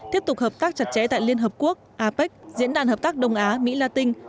tiếp tục hợp tác chặt chẽ tại liên hợp quốc apec diễn đàn hợp tác đông á mỹ la tinh